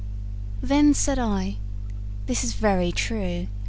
Then said I: 'This is very true.